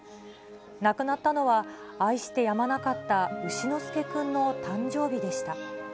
亡くなったのは愛してやまなかった丑之助くんの誕生日でした。